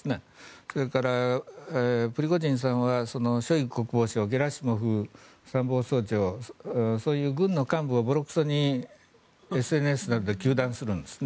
それから、プリゴジンさんはショイグ国防相ゲラシモフ参謀総長そういう軍の幹部をぼろくそにＳＮＳなどで糾弾するんですね。